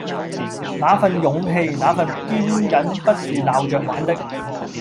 那份勇氣、那份堅忍不是鬧著玩